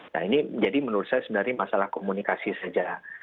nah ini jadi menurut saya sebenarnya masalah komunikasi saja